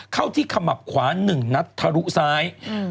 เข้าที่ขมับขวาน๑นัดทะลุซ้าย